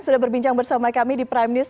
sudah berbincang bersama kami di prime news